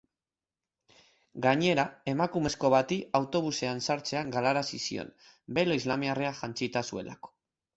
Gainera, emakumezko bati autobusean sartzea galarazi zion, belo islamiarra jantzita zuelako.